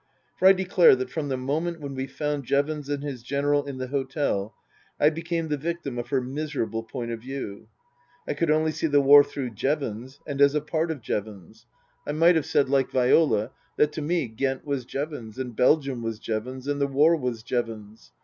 For I declare that from the moment when we found Jevons and his General in the hotel I became the victim of her miserable point of view. I could only see the war through Jevons, and as a part of Jevons ; I might 300 Book III : His Book 301 have said, like Viola, that to me Ghent was Jevons, and Belgium was Jevons, and the war was Jevons.